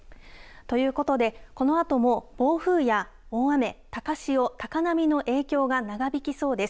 ということで、このあとも暴風や大雨、高潮、高波の影響が長引きそうです。